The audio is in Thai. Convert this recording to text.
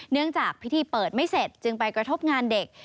จากพิธีเปิดไม่เสร็จจึงไปกระทบงานเด็ก